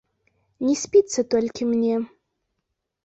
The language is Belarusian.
Не спіцца толькі мне.